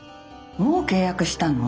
もう契約したの？